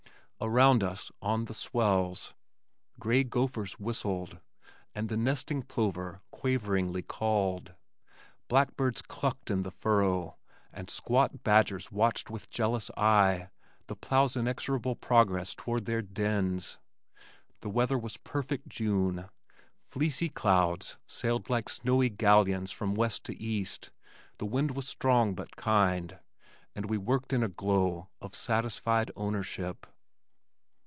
Around us, on the swells, gray gophers whistled, and the nesting plover quaveringly called. Blackbirds clucked in the furrow and squat badgers watched with jealous eye the plow's inexorable progress toward their dens. The weather was perfect June. Fleecy clouds sailed like snowy galleons from west to east, the wind was strong but kind, and we worked in a glow of satisfied ownership.